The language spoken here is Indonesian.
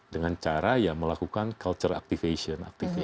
dengan cara ya melakukan culture activation